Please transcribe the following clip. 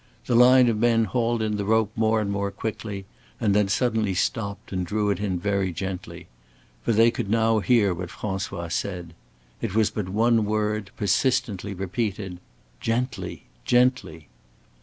The line of men hauled in the rope more and more quickly and then suddenly stopped and drew it in very gently. For they could now hear what François said. It was but one word, persistently repeated: "Gently! Gently!"